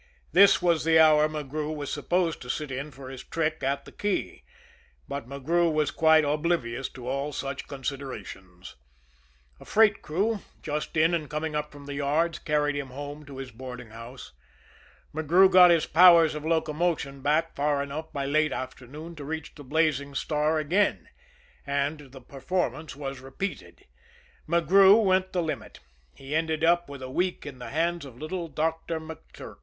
This was the hour McGrew was supposed to sit in for his trick at the key; but McGrew was quite oblivious to all such considerations. A freight crew, just in and coming up from the yards, carried him home to his boarding house. McGrew got his powers of locomotion back far enough by late afternoon to reach the Blazing Star again and the performance was repeated McGrew went the limit. He ended up with a week in the hands of little Doctor McTurk.